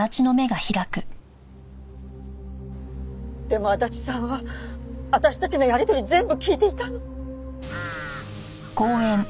でも足立さんは私たちのやり取り全部聞いていたの。